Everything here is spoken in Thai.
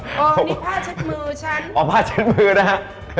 นี่ผ้าเช็ดมือฉันอ๋อผ้าเช็ดมือนะฮะ